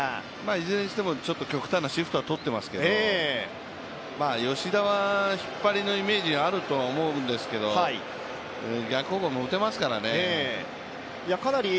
いずれにしてもちょっと極端なシフトはとってますけど吉田は引っ張りのイメージがあるとは思うんですけど、逆方向も打てますからね。